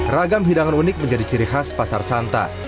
ragam hidangan unik menjadi ciri khas pasar santa